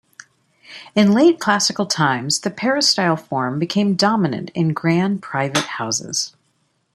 In late classical times the peristyle form became dominant in grand private houses.